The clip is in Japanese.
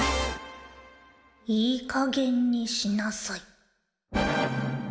いいかげんにしなさい。